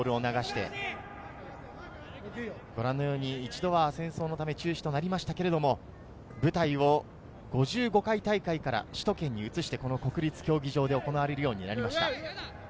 一度は戦争のため、休止となりましたが舞台を５５回大会から首都圏に移して国立競技場で行われるようになりました。